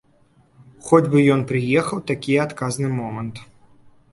Хоць бы ён прыехаў, такі адказны момант.